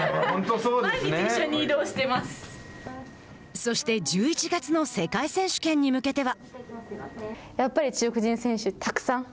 そして１１月の世界選手権に向けては。